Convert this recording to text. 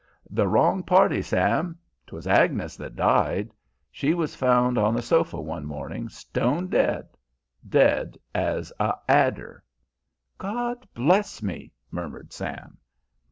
"The wrong party, Sam; 'twas Agnes that died. She was found on the sofa one morning stone dead, dead as a adder." "God bless me," murmured Sam.